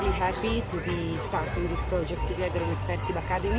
saya sangat senang untuk memulai proyek ini bersama dengan persiba academy